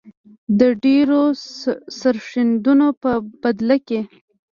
د ډیرو سرښندنو په بدله کې.